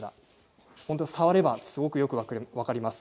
触ればすごくよく分かります。